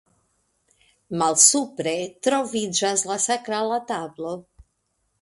Malsupre troviĝas la sakrala tablo.